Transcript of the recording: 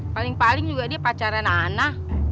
paling paling juga dia pacaran nana